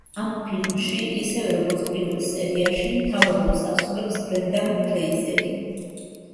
ამ ფილმში, ისევე როგორც პირველ სერიაში მთავარ როლს ასრულებს ბრენდან ფრეიზერი.